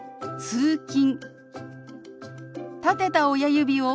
「通勤」。